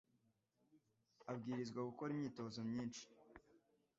abwirizwa gukora imyitozo myinshi